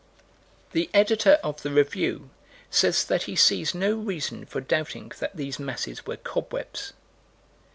The Editor of the Review says that he sees no reason for doubting that these masses were cobwebs.